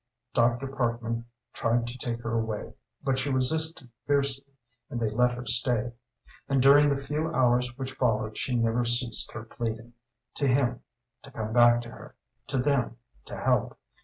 Dr. Parkman tried to take her away, but she resisted fiercely, and they let her stay. And during the few hours which followed she never ceased her pleading to him to come back to her, to them to help.